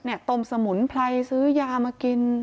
ต้มสมุนไพรซื้อยามากิน